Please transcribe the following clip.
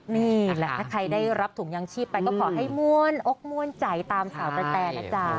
นี่ล่ะถ้าใครได้รับถุงยังชีพไปก็ขอให้มั่วนโอ๊คมั่วนใจตามสาวแปลนะจ๊ะ